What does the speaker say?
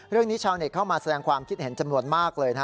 เรื่องนี้ชาวเน็ตเข้ามาแสดงความคิดเห็นจำนวนมากเลย